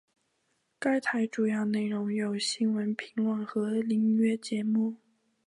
该台主要内容有新闻评论和音乐节目。